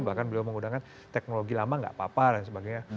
bahkan beliau menggunakan teknologi lama gak apa apa dan sebagainya